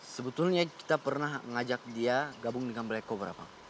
sebetulnya kita pernah ngajak dia gabung dengan black cobra bang